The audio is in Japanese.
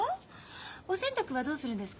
お洗濯はどうするんですか？